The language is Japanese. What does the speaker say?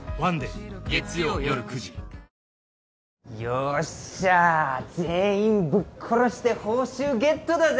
よっしゃ全員ぶっ殺して報酬ゲットだぜ！